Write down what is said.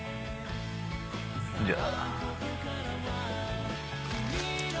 じゃあ。